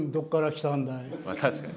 確かに。